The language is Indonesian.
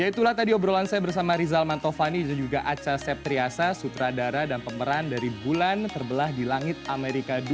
ya itulah tadi obrolan saya bersama rizal mantovani dan juga aca septriasa sutradara dan pemeran dari bulan terbelah di langit amerika dua